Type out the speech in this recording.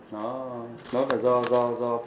nó là do do do